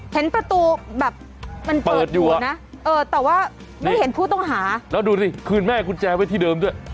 เห็นประตูแบบมันเปิดอยู่อ่ะนะเออแต่ว่าไม่เห็นผู้ต้องหาแล้วดูดิคืนแม่กุญแจไว้ที่เดิมด้วย